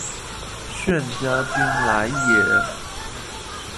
炫家军来也！